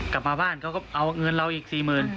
กลับมาบ้านเขาก็เอาเงินเราอีก๔๐๐๐